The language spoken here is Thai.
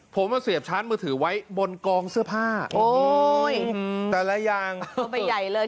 ผมมาเสียบชาร์จมือถือไว้บนกองเสื้อผ้าโอ้ยแต่ละอย่างเลย